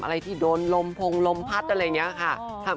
อะไรที่โดนลมพงลมพัดอะไรอย่างนี้ค่ะ